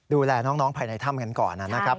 ดูแลน้องภายในถ้ำกันก่อนนะครับ